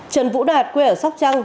trần vũ đạt quê ở sóc trăng